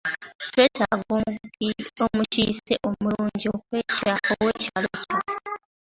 Twetaaga omukiise omulungi ow'ekyalo kyaffe.